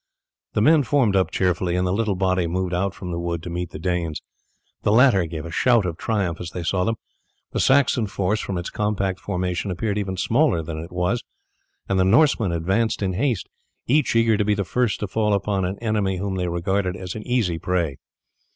The men formed up cheerfully, and the little body moved out from the wood to meet the Danes. The latter gave a shout of triumph as they saw them. The Saxon force, from its compact formation, appeared even smaller than it was, and the Norsemen advanced in haste, each eager to be the first to fall upon an enemy whom they regarded as an easy prey.